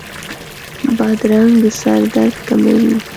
بادرنګ د سر درد کموي.